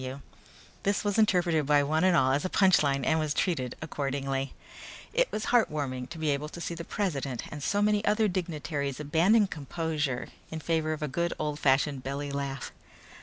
F.W." This was interpreted by one and all as a punch line and was treated accordingly. It was heartwarming to be able to see the president and so many other dignitaries abandon composure in favor of a good old fashioned belly laugh.